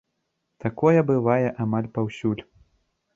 Такое бывае амаль паўсюль.